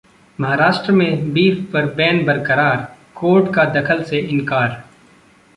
महाराष्ट्र में बीफ पर बैन बरकरार, कोर्ट का दखल से इनकार